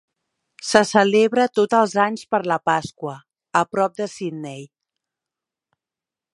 Se celebra tots els anys per la Pasqua, a prop de Sidney.